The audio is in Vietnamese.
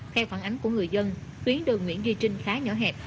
theo phản ánh của người dân tuyến đường nguyễn duy trinh khá nhỏ hẹp